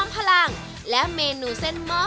คนที่มาทานอย่างเงี้ยควรจะมาทานแบบคนเดียวนะครับ